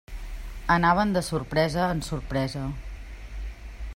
Anaven de sorpresa en sorpresa.